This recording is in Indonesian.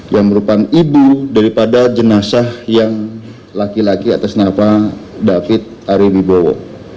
yang merupakan ibu daripada jenazah yang laki laki atas nama david ariwibowo